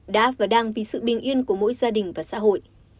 đã và đang vì sự bình yên của mỗi gia đình và xã hội